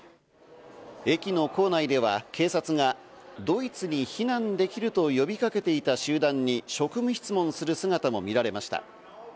駅の構内では警察がドイツに避難できると呼びかけていた集団に職務質問する姿も見られました。